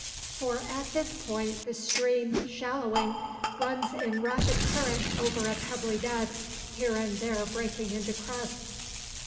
For at this point the stream, shallowing, runs in rapid current over a pebbly bed, here and there breaking into crests.